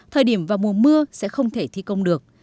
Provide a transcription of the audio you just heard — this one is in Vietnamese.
thời điểm vào mùa mưa sẽ không thể thi công được